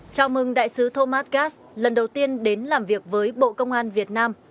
chào mừng đại sứ thomas gass lần đầu tiên đến làm việc với bộ công an việt nam